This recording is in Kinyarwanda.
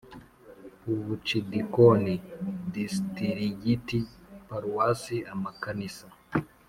Ubucidikoni Disitirigiti Paruwasi Amakanisa